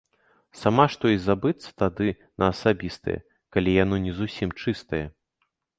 Сама што і забыцца тады на асабістае, калі яно не зусім чыстае!